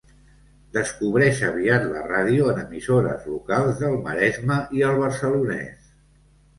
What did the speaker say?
Descobreix aviat la ràdio en emissores locals del Maresme i el Barcelonès.